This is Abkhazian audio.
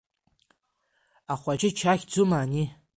Ахәачыч ахьӡума ани?